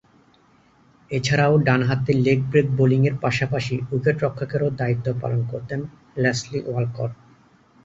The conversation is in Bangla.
এছাড়াও ডানহাতে লেগ ব্রেক বোলিংয়ের পাশাপাশি উইকেট-রক্ষকেরও দায়িত্ব পালন করতেন লেসলি ওয়ালকট।